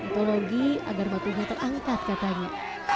teknologi agar batunya terangkat katanya